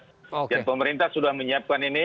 dan pemerintah sudah menyiapkan ini